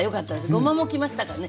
ごまもきましたかね？